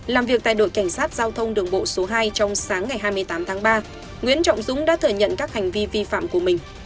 làm việc tại đội cảnh sát giao thông đường bộ số hai trong sáng ngày hai mươi tám tháng ba nguyễn trọng dũng đã thừa nhận các hành vi vi phạm của mình